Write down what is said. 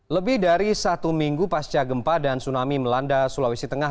lebih dari satu minggu pasca gempa dan tsunami melanda sulawesi tengah